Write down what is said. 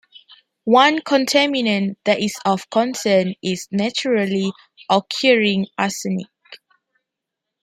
One contaminant that is of concern is naturally occurring arsenic.